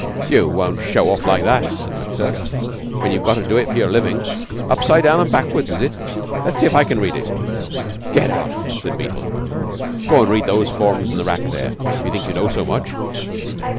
"You won't show off like that," said McTurk, "when you've got to do it for your living. Upside down and backwards, isn't it? Let's see if I can read it." "Get out!" said Beetle. "Go and read those formes in the rack there, if you think you know so much."